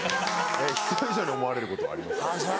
必要以上に思われることはあります。